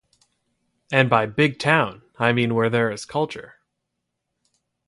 And by big town I mean where there is culture.